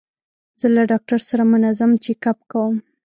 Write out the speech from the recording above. زه له ډاکټر سره منظم چیک اپ کوم.